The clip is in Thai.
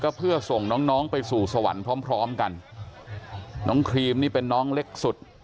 เพื่อส่งน้องน้องไปสู่สวรรค์พร้อมพร้อมกันน้องครีมนี่เป็นน้องเล็กสุด